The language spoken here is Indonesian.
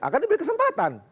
akannya diberi kesempatan